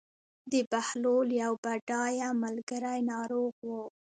د بهلول یو بډای ملګری ناروغ و.